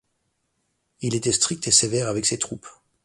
Il était strict et sévère avec ses troupes.